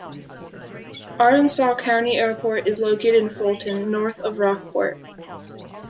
Aransas County Airport is located in Fulton, north of Rockport.